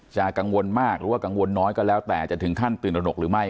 กังวลมากหรือว่ากังวลน้อยก็แล้วแต่จะถึงขั้นตื่นตระหนกหรือไม่